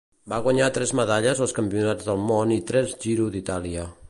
Va guanyar tres medalles als Campionats del món i tres Giro d'Itàlia.